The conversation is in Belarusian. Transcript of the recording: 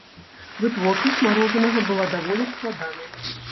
Вытворчасць марожанага была даволі складанай.